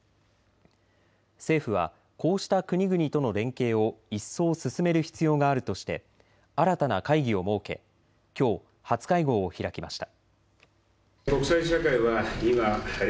政府はこうした国々との連携を一層、進める必要があるとして新たな会議を設けきょう初会合を開きました。